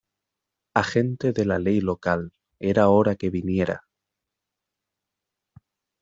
Agente de la ley local. Era hora que viniera .